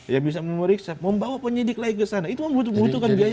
yang bisa memeriksa membawa penyidik lagi ke sana itu membutuhkan biaya yang besar